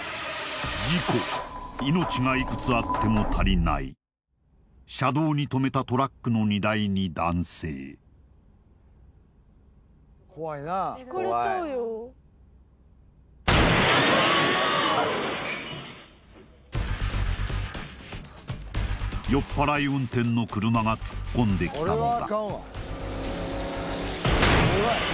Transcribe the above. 命がいくつあっても足りない車道に止めたトラックの荷台に男性酔っ払い運転の車が突っ込んできたのだ